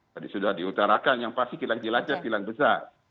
tadi sudah diutarakan yang pasti kilang jelacap kilang besar